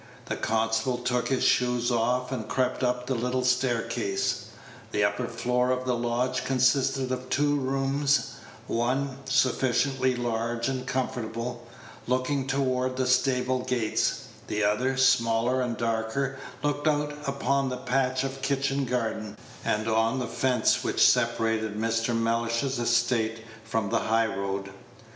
The constable took his shoes off, and crept up the little staircase. The upper floor of the lodge consisted of two rooms one, sufficiently large and comfortable, looking toward the stable gates; the other, smaller and darker, looked out upon a patch of kitchen garden and on the fence which separated Mr. Mellish's estate from the high road.